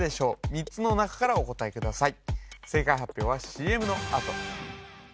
３つの中からお答えください